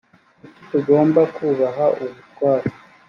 kuki tugomba kubaha ubutware